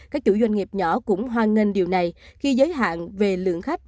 các chủ doanh nghiệp nhỏ cũng hoan nghênh điều này khi giới hạn về lượng khách